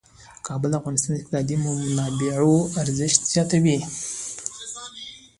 کابل د افغانستان د اقتصادي منابعو ارزښت زیاتوي.